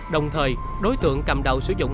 đồng thời đối tượng cầm đầu sử dụng